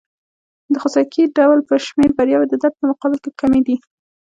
د خوسکي ډول په شمېر بریاوې د درد په مقابل کې کمې دي.